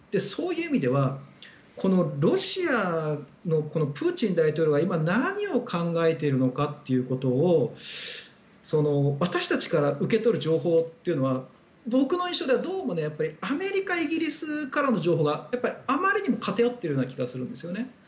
そういう意味ではロシア、プーチン大統領が今、何を考えているのかということを私たちから受け取る情報というのは僕の印象では、どうもアメリカ、イギリスからの情報がやっぱりあまりにも偏っている気がするんですよね。